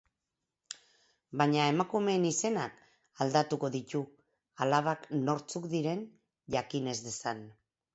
Baina emakumeen izenak aldatuko ditu, alabak nortzuk diren jakin ez dezan.